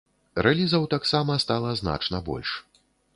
Рэлізаў таксама стала значна больш.